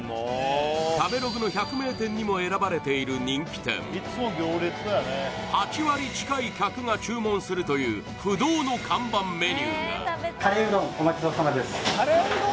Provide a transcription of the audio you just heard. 食べログの百名店にも選ばれている人気店８割近い客が注文するという不動の看板メニューがカレーうどんお待ちどおさまです